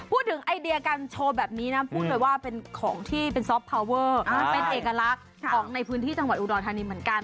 ไอเดียการโชว์แบบนี้นะพูดเลยว่าเป็นของที่เป็นซอฟพาวเวอร์เป็นเอกลักษณ์ของในพื้นที่จังหวัดอุดรธานีเหมือนกัน